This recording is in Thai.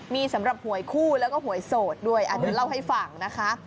มีสำหรับหวยคู่แล้วก็หวยโสดด้วยเดี๋ยวเล่าให้ฟังนะคะ